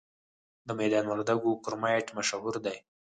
د میدان وردګو کرومایټ مشهور دی؟